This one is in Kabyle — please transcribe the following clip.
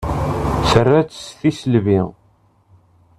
Tra-tt s tisselbi.